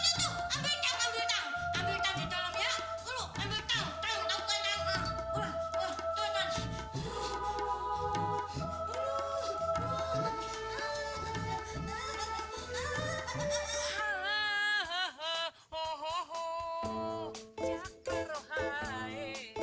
kucing kucing di bareh wahai